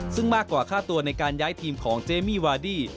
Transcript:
ซึ่งมากกว่าค่าตัวในการย้ายทีมของเจมี่วาดี้